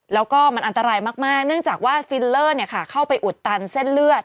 แล้วก็มันอันตรายมากเนื่องจากว่าฟิลเลอร์เข้าไปอุดตันเส้นเลือด